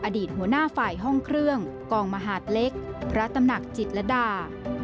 อดีตหัวหน้าฝ่ายห้องเครื่องกองมหาดเล็กพระตำหนักจิตรดา